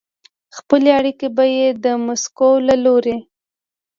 خپلې اړیکې به یې د مسکو له لوري